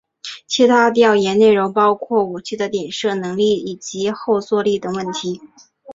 其他调研内容包括武器的点射能力以及后座力等问题。